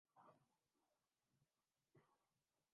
ان کی ضرورت کا ادراک مگر کم لوگ ہی کر پاتے ہیں۔